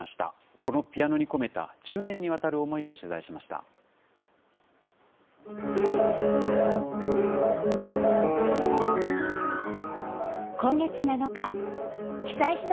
このピアノに込めた１０年にわたる思いを取材しました。